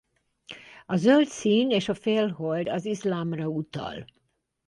A zöld szín és a félhold az iszlámra utal.